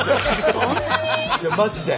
いやマジで。